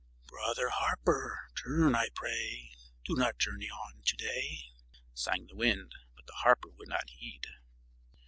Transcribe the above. "Brother Harper, turn, I pray; Do not journey on to day," sang the wind, but the harper would not heed.